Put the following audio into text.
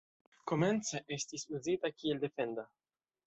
Komence estis uzita kiel defenda.